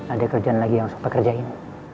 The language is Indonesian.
ada kerjaan lagi yang harus papa kerjain